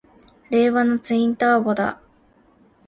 令和のツインターボだ！